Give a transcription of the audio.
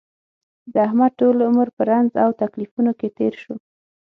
د احمد ټول عمر په رنځ او تکلیفونو کې تېر شو.